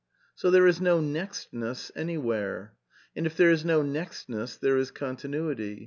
So there is' no nextness anywhere. And if there is no nextness there is continuity.